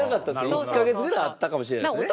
１カ月ぐらいあったかもしれないですね。